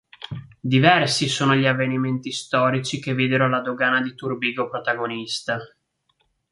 Diversi sono gli avvenimenti storici che videro la dogana di Turbigo protagonista.